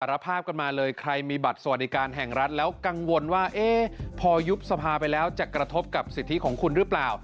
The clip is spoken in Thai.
รับภาพกันมาเลยใครมีบัตรสวัสดิการแห่งรัฐแล้วกังวลว่าพอยุบสภาไปแล้วจะกระทบกับสิทธิของคุณหรือเปล่า